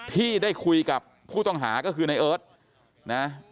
ที่ได้คุยกับผู้ต้องหาก็คือในเอิร์ทนะ